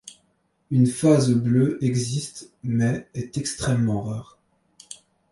Une phase bleue existe mais est extrêmement rare.